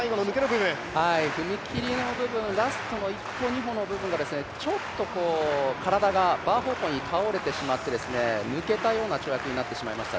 踏切のラスト１歩、２歩のところでちょっと体がバー方向に倒れてしまって、抜けたような跳躍になってしまいました。